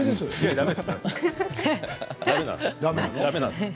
だめなんです。